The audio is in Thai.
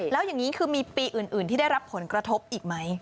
แล้วอย่างนี้คือมีปีอื่นที่ได้รับผลกระทบอีกไหม